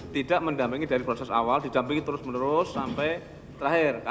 tidak mendampingi dari proses awal didampingi terus menerus sampai terakhir